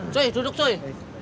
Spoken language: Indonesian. cuy duduk cuy